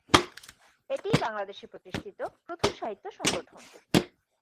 এটিই বাংলাদেশে প্রতিষ্ঠিত প্রথম সাহিত্য সংগঠন।